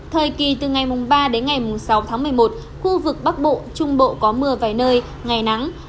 thời kỳ từ ngày ba đến ngày sáu tháng một mươi một khu vực bắc bộ trung bộ có mưa vài nơi ngày nắng